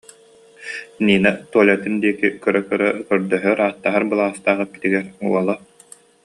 Нина Толятын диэки көрө-көрө көрдөһөр-ааттаһар былаастаах эппитигэр уола: